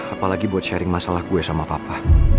apalagi buat sharing masalah gue sama papa